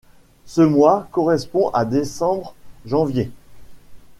Ce mois correspond à décembre-janvier.